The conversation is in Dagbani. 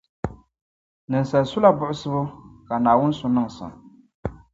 Ninsala sula buɣisibu, ka Naawuni su niŋsim.